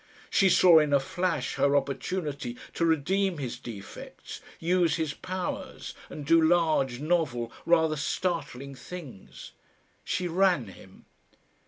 She saw in a flash her opportunity to redeem his defects, use his powers, and do large, novel, rather startling things. She ran him.